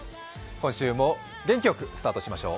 今週も元気よくスタートしましょう。